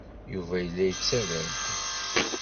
Yuba yella yettarra-d.